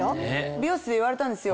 美容室で言われたんですよ